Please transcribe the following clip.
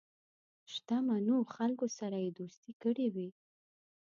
شته منو خلکو سره یې دوستی کړې وي.